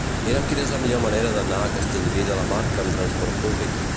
Mira'm quina és la millor manera d'anar a Castellví de la Marca amb trasport públic.